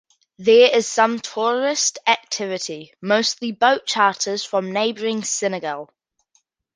There is some tourist activity, mostly boat charters from neighboring Senegal.